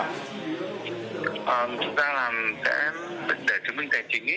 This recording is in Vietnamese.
chúng ta là để chứng minh tài chính